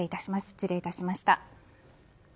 失礼いたしました。